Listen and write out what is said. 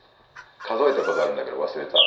数えた事あるんだけど忘れた。